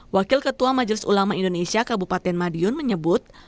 wakil ketua majelis ulama indonesia kabupaten madiun menyebut